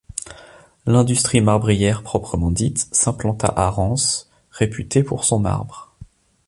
L'industrie marbrière proprement dite s'implanta à Rance réputée pour son marbre.